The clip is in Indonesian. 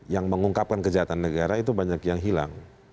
yang mengungkapkan kejahatan negara itu banyak yang hilang